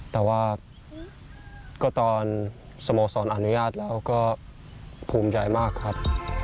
แต่ว่าก็ตอนสโมสรอนุญาตแล้วก็ภูมิใจมากครับ